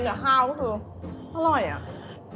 กินกับข้าวก็คืออร่อยอะ